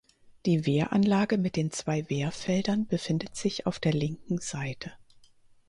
Die Wehranlage mit den zwei Wehrfeldern befindet sich auf der linken Seite.